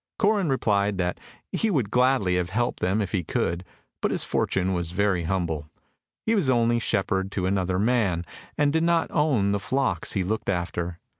Corin replied that he would gladly have helped them if he could, but his fortune was very humble; he was only shepherd to another man, and did not own the flocks he looked after.